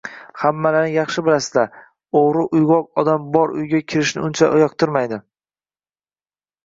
Hammalaring yaxshi bilasizlar, oʻgʻri uygʻoq odam bor uyga kirishni uncha yoqtirmaydi